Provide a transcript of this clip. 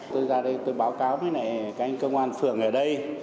tôi ra đây tôi báo cáo với anh công an phường ở đây